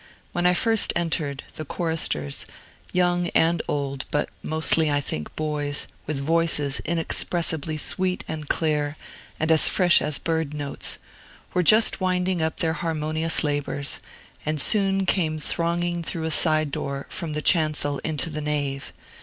When I first entered, the choristers (young and old, but mostly, I think, boys, with voices inexpressibly sweet and clear, and as fresh as bird notes) were just winding up their harmonious labors, and soon came thronging through a side door from the chancel into the nave.